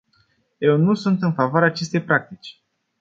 Eu nu sunt în favoarea acestei practici.